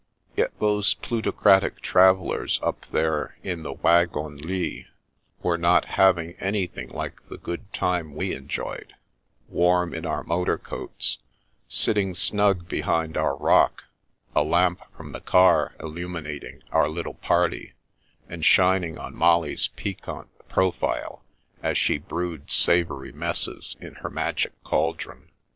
Yet those plutocratic travellers up in the wagons lits were not having anything like the " good time " we enjoyed, warm in our motor coats, sitting snug behind our rock, a lamp from the car illuminating our little party and shining on Molly's piquant profile as she brewed savoury messes in her magic cauldron.